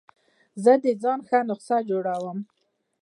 زه د ځان ښه نسخه جوړوم.